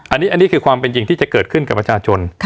อันนี้คือความเป็นจริงที่จะเกิดขึ้นกับประชาชน